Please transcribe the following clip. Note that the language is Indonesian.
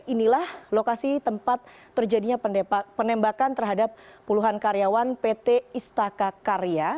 inilah lokasi tempat terjadinya penembakan terhadap puluhan karyawan pt istaka karya